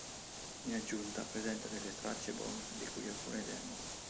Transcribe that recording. In aggiunta presenta delle tracce bonus di cui alcune demo.